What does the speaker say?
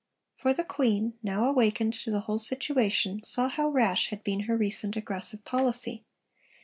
For the Queen, now awakened to the whole situation, saw how rash had been her recent aggressive policy.